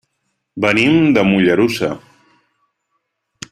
Venim de Mollerussa.